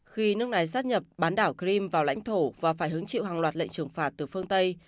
khi nước này sát nhập bán đảo crime vào lãnh thổ và phải hứng chịu hàng loạt lệnh trừng phạt từ phương tây